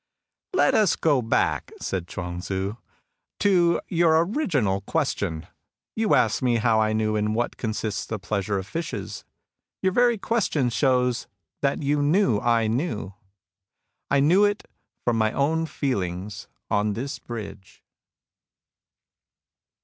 " Let us go back," said Chuang Tzu, " to your PHASES OF EXISTENCE 111 original question. You asked me how I knew in what consists the pleasure of fishes. Your very question shows that you knew I knew.^ I knew it from my own feeliigs on this bridge."